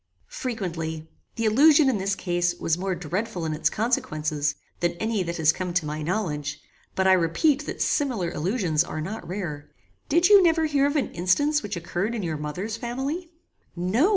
"Frequently. The illusion, in this case, was more dreadful in its consequences, than any that has come to my knowledge; but, I repeat that similar illusions are not rare. Did you never hear of an instance which occurred in your mother's family?" "No.